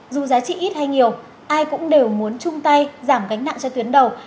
dù giá trị ít hay nhiều ai cũng đều muốn chung tay giảm gánh nặng cho tuyến đầu